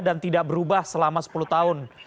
dan tidak berubah selama sepuluh tahun